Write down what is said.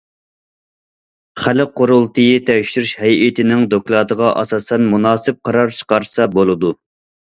خەلق قۇرۇلتىيى تەكشۈرۈش ھەيئىتىنىڭ دوكلاتىغا ئاساسەن مۇناسىپ قارار چىقارسا بولىدۇ.